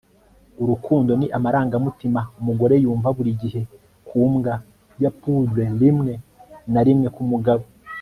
urukundo ni amarangamutima umugore yumva buri gihe ku mbwa ya poodle rimwe na rimwe ku mugabo